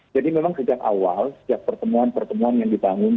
jadi memang sejak awal setiap pertemuan pertemuan yang dibangun